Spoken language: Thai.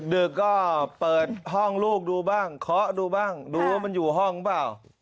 ดึกก็เปิดห้องลูกดูบ้างเคาะดูบ้างดูว่ามันอยู่ห้องเปล่า